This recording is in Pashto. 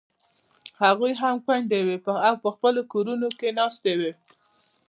هغوی هم کونډې وې او په خپلو کورونو ناستې وې.